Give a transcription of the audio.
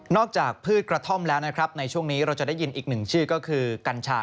จากพืชกระท่อมแล้วนะครับในช่วงนี้เราจะได้ยินอีกหนึ่งชื่อก็คือกัญชา